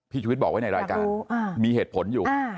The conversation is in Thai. ชีวิตบอกไว้ในรายการมีเหตุผลอยู่